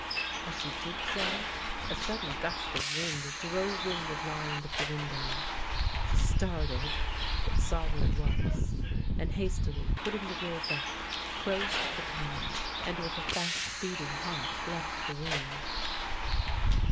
As she did so a sudden gust of wind drove in the blind of the window. She started, but saw what it was, and, hastily putting the will back, closed the panel, and with a fast beating heart, left the room.